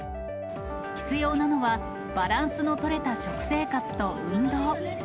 必要なのはバランスの取れた食生活と運動。